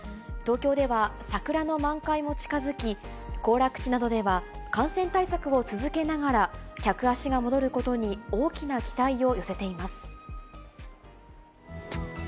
東京では桜の満開も近づき、行楽地などでは、感染対策を続けながら、客足が戻ることに大きな期待を寄せています。